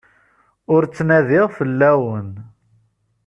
Ur ttnadiɣ fell-awen.